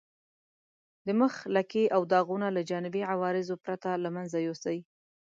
د مخ لکې او داغونه له جانبي عوارضو پرته له منځه یوسئ.